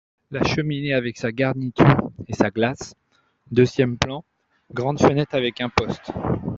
La cheminée avec sa garniture et sa glace ; deuxième plan, grande fenêtre avec imposte.